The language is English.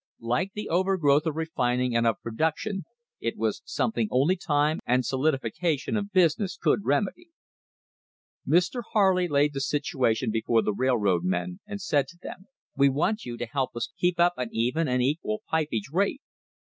Like the overgrowth of refining and of production, il LAYING THE FOUNDATIONS OF A TRUST was something only time and solidification of business could remedy. Mr. Harley laid the situation before the railroad men and said to them : "We want you to help us keep up an even and equal pipage rate.